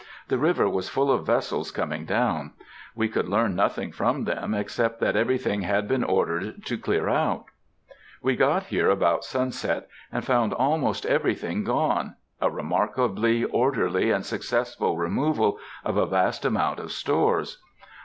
The river was full of vessels coming down. We could learn nothing from them except that everything had been ordered to "clear out." We got here about sunset, and found almost everything gone,—a remarkably orderly and successful removal of a vast amount of stores.